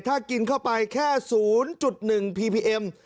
ถ้ากินเข้าไปแค่๐๑พีพีเอ็ม